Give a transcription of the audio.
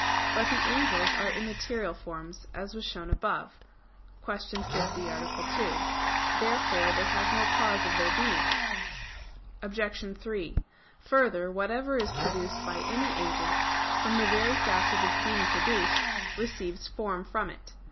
But the angels are immaterial forms, as was shown above (Q. 50, A. 2). Therefore they have no cause of their being. Obj. 3: Further, whatever is produced by any agent, from the very fact of its being produced, receives form from it.